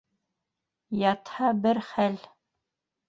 Ятһа - бер хәл.